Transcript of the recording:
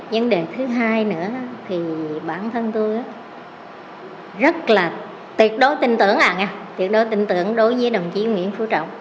vấn đề thứ hai nữa thì bản thân tôi rất là tuyệt đối tin tưởng tuyệt đối tin tưởng đối với đồng chí nguyễn phú trọng